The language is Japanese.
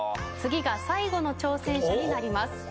次が最後の挑戦者になります。